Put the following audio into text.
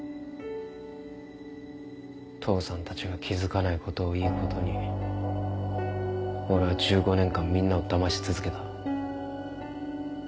父さんたちが気付かないことをいいことに俺は１５年間みんなをだまし続けた。